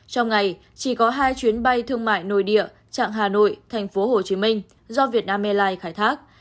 trong ngày chỉ có hai chuyến bay thương mại nội địa chặng hà nội thành phố hồ chí minh do việt nam airlines khai thác